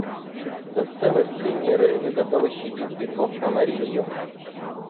За целость Венеры вы готовы щадить веков камарилью.